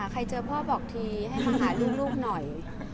ใครเจอพ่อบอกเทียร์ให้มาหาลูกหน่อย